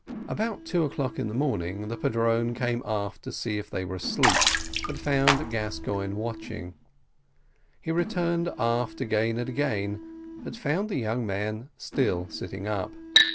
About two o'clock in the morning, the padrone came aft to see if they were asleep, but found Gascoigne watching. He returned aft again and again; but found the young man still sitting up.